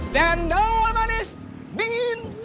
cendol manis dingin